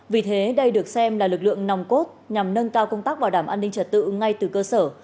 vì thế đây được xem là lực lượng nòng cốt nhằm nâng cao công tác bảo đảm an ninh trật tự ngay từ cơ sở